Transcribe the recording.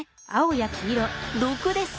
毒です。